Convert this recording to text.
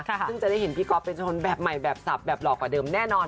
เพื่อทั้งแต่ต้านจะได้เห็นพี่ก๊อฟเป็นทางฝนแบบใหม่แบบทรัพย์แบบหลอกกว่าเดิมแน่นอน